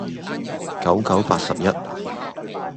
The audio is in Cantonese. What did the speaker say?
九九八十一